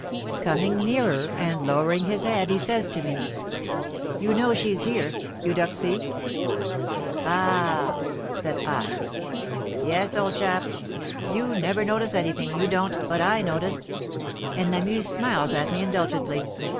Coming nearer and lowering his head, he says to me, "You know she's here Eudoxie?" "Ah!" said I. "Yes, old chap. You never notice anything, you don't, but I noticed," and Lamuse smiles at me indulgently.